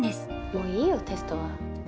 もういいよテストは。